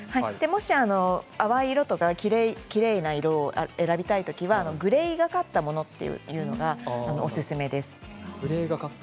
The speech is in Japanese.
もし淡い色とかきれいな色を選びたいときはグレーがかったものというのがおすすめです。